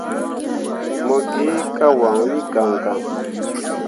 Mo gi ka wanwi gaŋgaŋ.